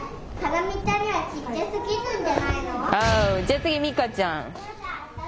じゃあ次ミカちゃん。